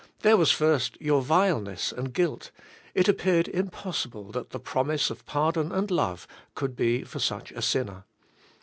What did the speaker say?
There was first your vileness and guilt: it appeared impossible that the promise of pardon and love could be for such a sin ner.